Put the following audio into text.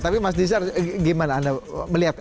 tapi mas nizar gimana anda melihat